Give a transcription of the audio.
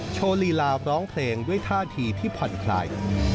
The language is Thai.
โชว์ลีลาร้องเพลงด้วยท่าทีที่ผ่อนคลาย